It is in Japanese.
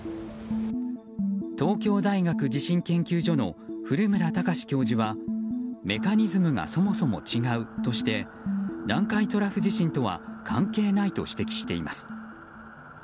東京大学地震研究所の古村孝志教授はメカニズムがそもそも違うとして南海トラフ地震とは関係ないと指摘しています。